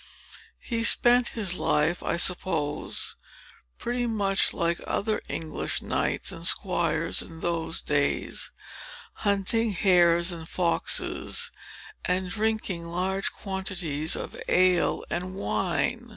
He spent his life, I suppose, pretty much like other English knights and squires in those days, hunting hares and foxes, and drinking large quantities of ale and wine.